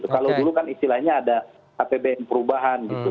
kalau dulu kan istilahnya ada apbn perubahan gitu